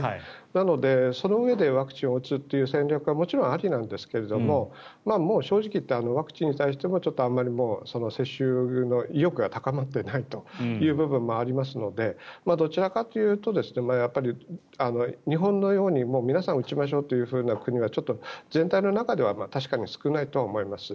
なので、そのうえでワクチンを打つという戦略はもちろんありなんですが正直言ってワクチンに対してもちょっとあまり接種の意欲が高まっていないという部分もありますのでどちらかというと日本のように皆さん打ちましょうという国は全体の中では確かに少ないとは思います。